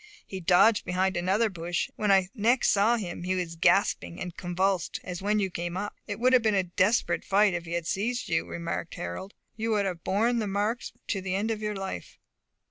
He dodged behind another bush, and when I next saw him he was gasping and convulsed as when you came up." "It would have been a desperate fight, if he had seized you," remarked Harold; "you would have borne the marks to the end of your life."